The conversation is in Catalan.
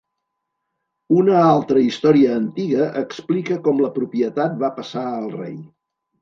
Una altra història antiga explica com la propietat va passar al rei.